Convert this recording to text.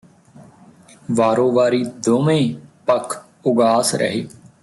ਵਾਰੋ ਵਾਰੀ ਦੋਵੇਂ ਪੱਖ ਉਗਾਸ ਰਹੇ